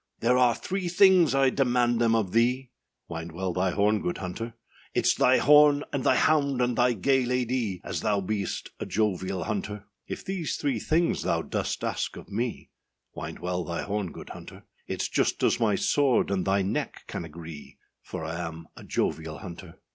âThere are three things, I demand them of thee,â Wind well thy horn, good hunter; âItâs thy horn, and thy hound, and thy gay lady, As thou beest a jovial hunter.â âIf these three things thou dost ask of me,â Wind well thy horn, good hunter; âItâs just as my sword and thy neck can agree, For I am a jovial hunter.